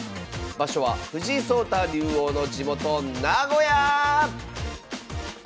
場所は藤井聡太竜王の地元名古屋！